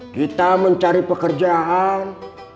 kita mencari pekerjaan